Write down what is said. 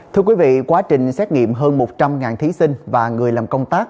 thưa quý vị quá trình xét nghiệm hơn một trăm linh thí sinh và người làm công tác